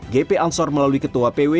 gp ansor melalui ketua pw